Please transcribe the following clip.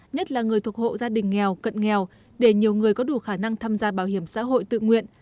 nhất là người thuộc hộ gia đình nghèo cận nghèo để nhiều người có đủ khả năng tham gia bảo hiểm xã hội tự nguyện